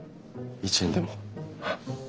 一円でも！？